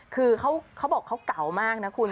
คือเขาบอกเขาเก่ามากนะคุณ